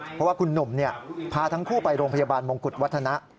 เพราะว่าคุณหนุ่มพาทั้งคู่ไปโรงพยาบาลมงกุฎวัฒนะ